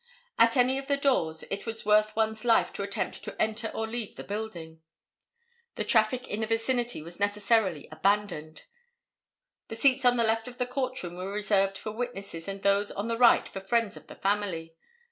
At any of the doors it was worth one's life to attempt to enter or leave the building, and traffic in the vicinity was necessarily abandoned. The seats on the left of the court room were reserved for witnesses and those on the right for friends of the family.